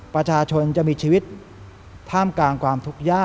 ประชาชนจะมีชีวิตท่ามกลางกลุ่ม